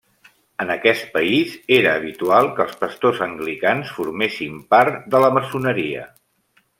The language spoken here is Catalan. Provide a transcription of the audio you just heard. En aquest país era habitual que els pastors anglicans formessin part de la maçoneria.